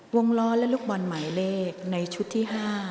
ล้อและลูกบอลหมายเลขในชุดที่๕